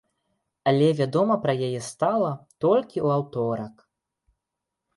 Але вядома пра яе стала толькі ў аўторак.